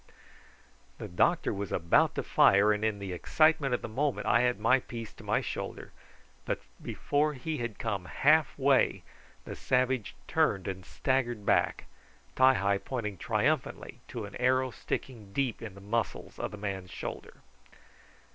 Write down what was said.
The doctor was about to fire, and in the excitement of the moment I had my piece to my shoulder, but before he had come half way the savage turned and staggered back, Ti hi pointing triumphantly to an arrow sticking deep in the muscles of the man's shoulder.